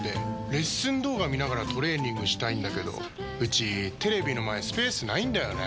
レッスン動画見ながらトレーニングしたいんだけどうちテレビの前スペースないんだよねー。